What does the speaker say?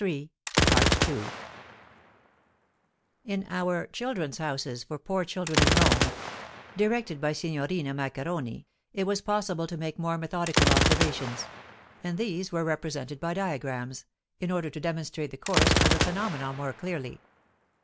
In our "Children's Houses" for poor children in Rome, directed by Signorina Maccheroni, it was possible to make more methodical observations, and these were represented by diagrams, in order to demonstrate the course of the phenomena more clearly.